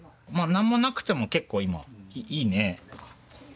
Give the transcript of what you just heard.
なんもなくても結構今いいね。